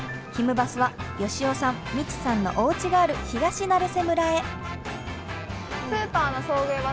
バスは佳雄さんミチさんのおうちがある東成瀬村へ。